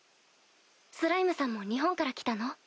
スライムさんも日本から来たの？